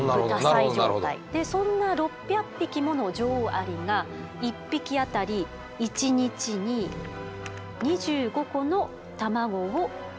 でそんな６００匹もの女王アリが１匹当たり１日に２５個の卵を産みます。